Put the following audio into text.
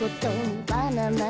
バ・ナ・ナン！